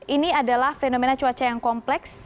ini adalah fenomena cuaca yang kompleks